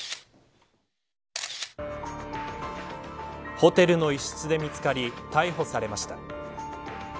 ホテルの一室で見つかり逮捕されました。